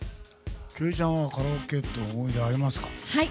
聖恵ちゃんはカラオケの思い出ありますか？